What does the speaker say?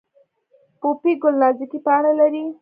پوپی ګل نازکې پاڼې لري